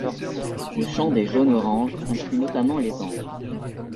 Le champ des jaune-orange inclut notamment les ambres.